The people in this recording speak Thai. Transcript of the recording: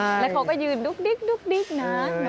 แล้วเขาก็ยืนดุ๊กดิ๊กนะนกเพนกวิน